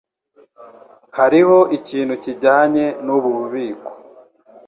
Hariho ikintu kijyanye nubu bubiko